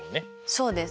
そうです。